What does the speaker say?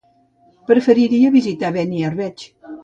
Preferiria visitar Beniarbeig.